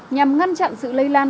nhằm ngăn chặn sự lây lan